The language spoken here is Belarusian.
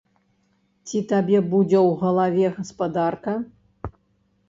Ці табе будзе ў галаве гаспадарка?